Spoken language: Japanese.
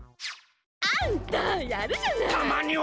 あんたやるじゃない！